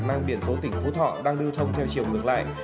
mang biển số tỉnh phú thọ đang lưu thông theo chiều ngược lại